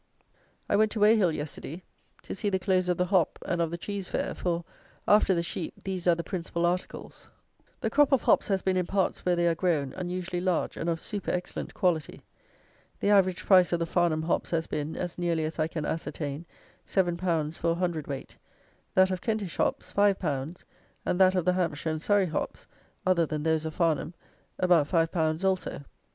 _ I went to Weyhill, yesterday, to see the close of the hop and of the cheese fair; for, after the sheep, these are the principal articles. The crop of hops has been, in parts where they are grown, unusually large and of super excellent quality. The average price of the Farnham hops has been, as nearly as I can ascertain, seven pounds for a hundredweight; that of Kentish hops, five pounds, and that of the Hampshire and Surrey hops (other than those of Farnham), about five pounds also.